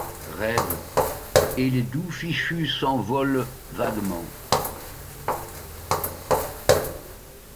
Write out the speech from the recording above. Rêve ; et les doux fichus s'envolént vaguement.